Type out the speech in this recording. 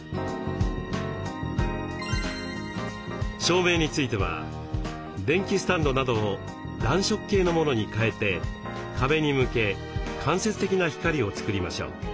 照明については電気スタンドなどを暖色系のものに替えて壁に向け間接的な光を作りましょう。